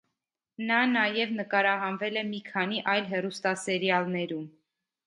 Նա նաև նկարահանվել է մի քանի այլ հեռուստասերիալներում։